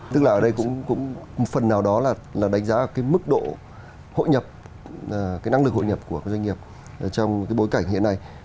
tức là ở đây cũng phần nào đó là đánh giá cái mức độ hội nhập cái năng lực hội nhập của doanh nghiệp trong cái bối cảnh hiện nay